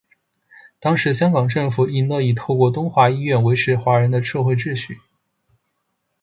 当时香港政府亦乐意透过东华医院维持华人的社会秩序。